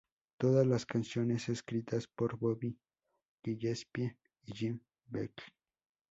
Todas las canciones escritas por Bobby Gillespie y Jim Beattie.